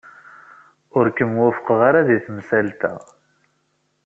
Ur kem-wufqeɣ ara di temsalt-a.